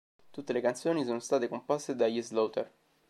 Tutte le canzoni sono state composte dagli Slaughter.